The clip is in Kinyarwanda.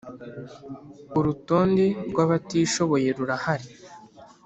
Urutonde rw’ abatishoboye rurahari.